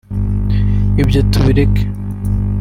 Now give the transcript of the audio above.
Ibyo tubireke